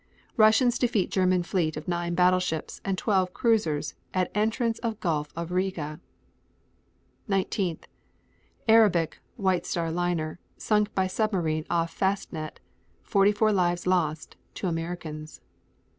Russians defeat German fleet of 9 battleships and 12 cruisers at entrance of Gulf of Riga. 19. Arabic, White Star liner, sunk by submarine off Fastnet; 44 lives lost; 2 Americans.